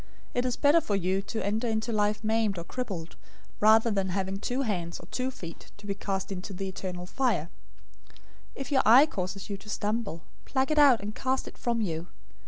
It is better for you to enter into life maimed or crippled, rather than having two hands or two feet to be cast into the eternal fire. 018:009 If your eye causes you to stumble, pluck it out, and cast it from you.